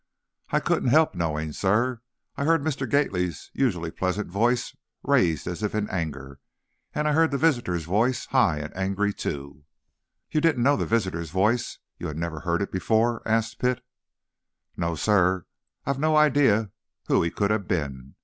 "I couldn't help knowing, sir. I heard Mr. Gately's usually pleasant voice raised as if in anger, and I heard the visitor's voice, high and angry too." "You didn't know the visitor's voice? you had never heard it before?" asked Pitt. "No, sir; I've no idea who he could have been!"